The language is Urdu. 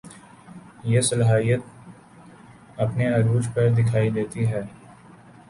یہ صلاحیت اپنے عروج پر دکھائی دیتی ہے